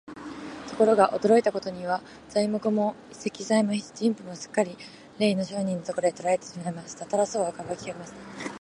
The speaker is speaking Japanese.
ところが、驚いたことには、材木も石材も人夫もすっかりれいの商人のところへ取られてしまいました。タラス王は価を引き上げました。